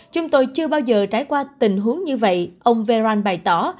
chúng tôi chưa bao giờ trải qua tình huống như vậy ông veron bày tỏ